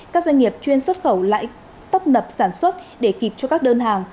các doanh nghiệp chuyên xuất khẩu lại tấp nập sản xuất để kịp cho các đơn hàng